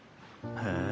へえ。